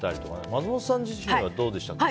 松本さん自身はどうでしたっけ？